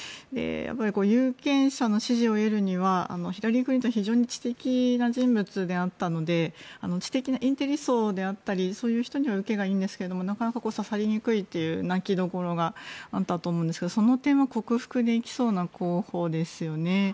やっぱり有権者の支持を得るにはヒラリー・クリントンは非常に知的な人物であったので知的なインテリ層であったりそういう人には受けがいいんですけどなかなか刺さりにくいという泣きどころがあったと思うんですがその点は克服できそうな候補ですよね。